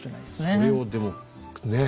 それをでもねえ？